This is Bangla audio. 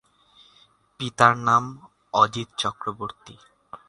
পিতার নাম অজিত চক্রবর্তী।